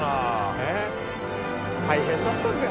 「大変だったんだよ